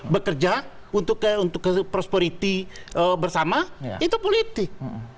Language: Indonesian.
bekerja untuk prosperity bersama itu politik